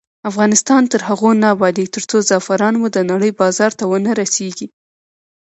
افغانستان تر هغو نه ابادیږي، ترڅو زعفران مو د نړۍ بازار ته ونه رسیږي.